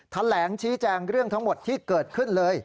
แถลงชี้แจงเรื่องทั้งหมดที่เกิดขึ้นเลย